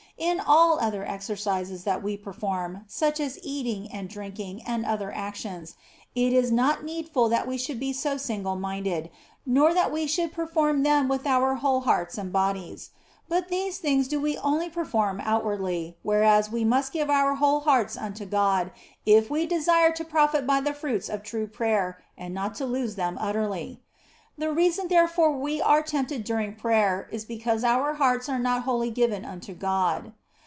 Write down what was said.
In all other exercises that we perform, such as eating and drinking and other actions, it is not needful that we should be so single minded, nor that we should perform them with our whole hearts and bodies. But these things do we only perform outwardly, whereas we must give our hearts wholly unto God if we desire to 102 THE BLESSED ANGELA profit by the fruits of true prayer and not to lose them utterly. The reason wherefore we are tempted during prayer is because our hearts are not wholly given unto God.